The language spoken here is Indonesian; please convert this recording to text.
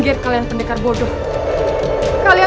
kita bisa tutup ke jaringan kamar